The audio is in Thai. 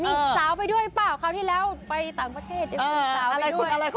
มิร์เซาะไปด้วยปะเขาที่แล้วไปตามประเทศอ่าอะไร